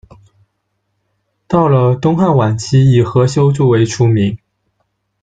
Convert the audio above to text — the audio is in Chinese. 到了东汉晚期，以何休最为出名。